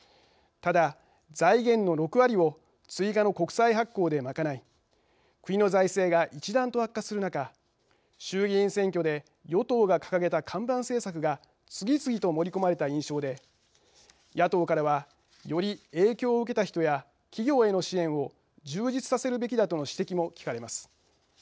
ただ、財源の６割を追加の国債発行で賄い国の財政が一段と悪化する中衆議院選挙で与党が掲げた看板政策が次々と盛り込まれた印象で野党からはより影響を受けた人や企業への支援を充実させるべきだとの指摘も聞かれます。